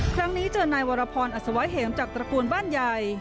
ครั้งนี้เจอนายวรพรอัศวะเหมจากตระกูลบ้านใหญ่